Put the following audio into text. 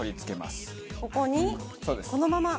ここにこのまま。